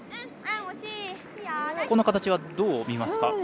この形はどう見ますか？